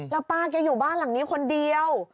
แล้วป้าแกอยู่บ้านหลังนี้คนเดียว